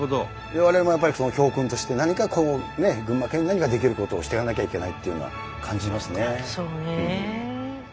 我々もやっぱりその教訓として何かこう群馬県に何かできることをしていかなきゃいけないというのは感じますね。